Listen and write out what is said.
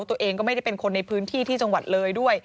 ตัวเองก็ไม่ได้เป็นคนในพื้นที่ที่จังหวัดเลยด้วย